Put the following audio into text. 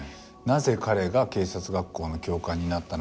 なぜ彼が警察学校の教官になったのかっていう。